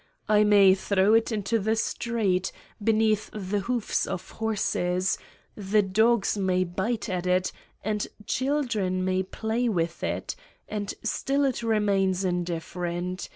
I may throw it into the street, beneath the hoofs of horses ; the dogs may bite at it and children may play with it and still it remains indifferent.